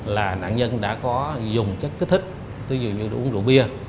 là nạn nhân đã có dùng chất kích thích tí dụ như uống rượu bia